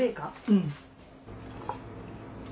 うん。